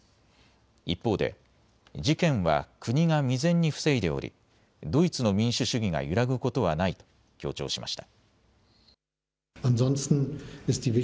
一方で事件は国が未然に防いでおりドイツの民主主義が揺らぐことはないと強調しました。